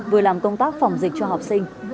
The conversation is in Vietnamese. vừa làm công tác phòng dịch cho học sinh